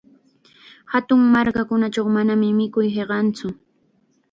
Hatun markakunachaw manam mikuy hiqantsu.